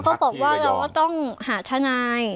เขาบอกว่าเราก็ต้องหาทนาย